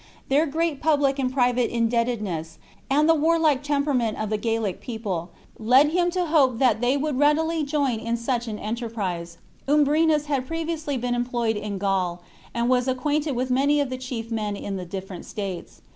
Their great public and private indebtedness, and the warlike temperament of the Gallic race, led him to hope that they would readily join in such an enter prise. Umbrenus had previously been employed in Gaul, and was acquainted with many of the chief men in the different states.